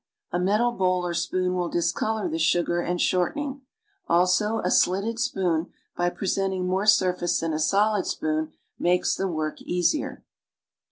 A metal bowl or spoon will discolor the sugar and shorten ing; also a slitted spoon, by presenting more surface than a solid spoon, makes the work easier.